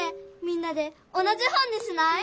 みんなで同じ本にしない？